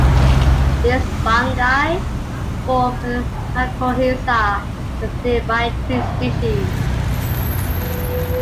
These fungi form a mycorrhiza with nearby tree species.